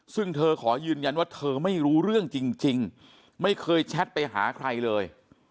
ซึ่งเธอขอยืนยันว่าเธอไม่รู้เรื่องจริงไม่เคยแชทไปหาใครเลย